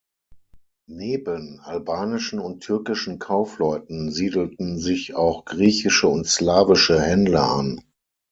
Neben albanischen und türkischen Kaufleuten siedelten sich auch griechische und slawische Händler an.